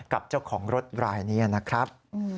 กับเจ้าของรถรายนี้นะครับ